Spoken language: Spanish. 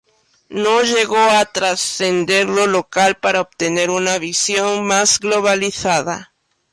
No llegó a trascender lo local para obtener una visión más globalizada.